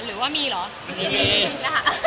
หรือว่ามีเหรอ